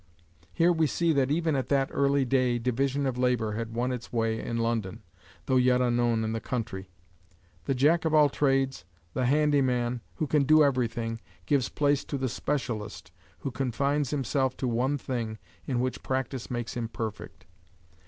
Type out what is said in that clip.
Here we see that even at that early day division of labor had won its way in London, though yet unknown in the country. The jack of all trades, the handyman, who can do everything, gives place to the specialist who confines himself to one thing in which practice makes him perfect.